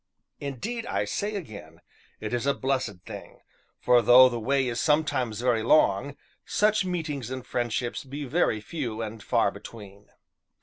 Indeed, I say again, it is a blessed thing, for though the way is sometimes very long, such meetings and friendships be very few and far between.